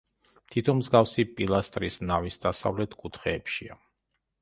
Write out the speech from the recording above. თითო მსგავსი პილასტრი ნავის დასავლეთ კუთხეებშია.